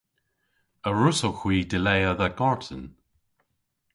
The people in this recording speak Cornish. A wrussowgh hwi dilea dha garten?